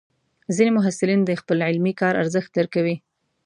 ځینې محصلین د خپل علمي کار ارزښت درکوي.